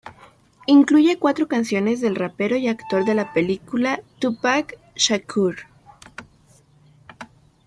Incluye cuatro canciones del rapero y actor de la película Tupac Shakur.